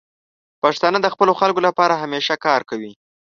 پښتانه د خپلو خلکو لپاره همیشه کار کوي.